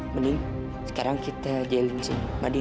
mending sekarang kita jelin sini madin